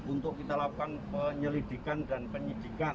untuk kita lakukan penyelidikan dan penyidikan